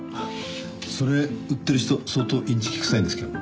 それ売ってる人相当インチキくさいんですけど。